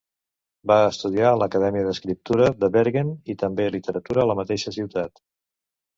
Va estudiar a l'Acadèmia d'Escriptura de Bergen i també literatura a la mateixa ciutat.